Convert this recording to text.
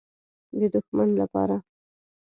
_د دښمن له پاره.